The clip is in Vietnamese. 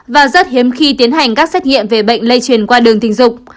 và rất hiếm khi tiến hành các xét nghiệm về bệnh lây truyền qua đường tình dục